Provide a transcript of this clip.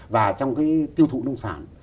và trong cái tiêu thụ nông sản